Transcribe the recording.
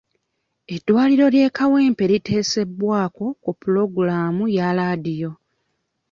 Eddwaliro ly'e Kawempe liteesebwako ku pulogulaamu ya laadiyo.